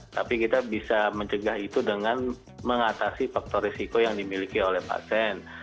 tapi kita bisa mencegah itu dengan mengatasi faktor risiko yang dimiliki oleh pasien